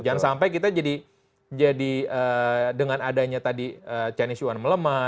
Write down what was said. jangan sampai kita jadi dengan adanya tadi chinese yuan melemah